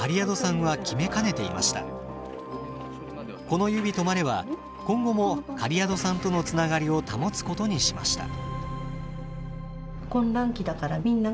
「このゆびとまれ」は今後も苅宿さんとのつながりを保つことにしました。